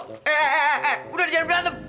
hehehe udah jangan berantem